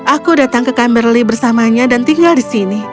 aku datang ke camir lee bersamanya dan tinggal di sini